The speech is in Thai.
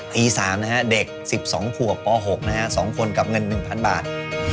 ตี๓นะฮะเด็ก๑๒ขวบป๖นะฮะ๒คนกับเงิน๑๐๐๐บาท